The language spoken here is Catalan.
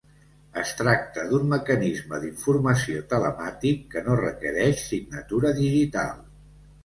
Es tracta d'un mecanisme d'informació telemàtic que no requereix signatura digital.